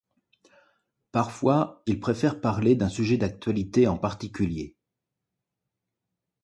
Parfois ils préfèrent parler d'un sujet d'actualité en particulier.